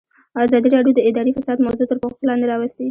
ازادي راډیو د اداري فساد موضوع تر پوښښ لاندې راوستې.